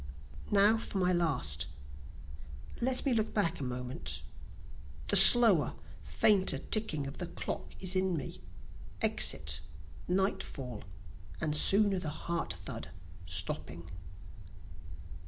Now for my last let me look back a moment; The slower fainter ticking of the clock is in me, Exit, nightfall, and soon the heart thud stopping.